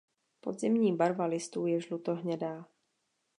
Podzimní barva listů je žlutohnědá.